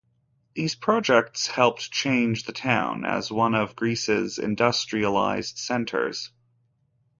These projects helped change the town as one of Greece's industrialized centers.